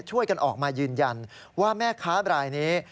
ช่วยกันออกมายืนยันว่าแม่ค้ารายนี้